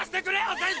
先生！